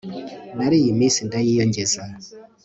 nariye iminsi ndayiyongeza